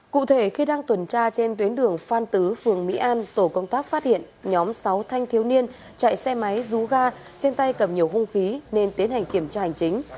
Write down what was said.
cụ thể khi đang tuần tra trên tuyến đường phan tứ phường mỹ an tổ công tác phát hiện nhóm sáu thanh thiếu niên chạy xe máy rú ga trên tay cầm nhiều hung khí nên tiến hành kiểm tra hành chính